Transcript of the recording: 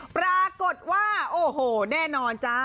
ปรากฏว่าโอ้โหแน่นอนจ๊ะ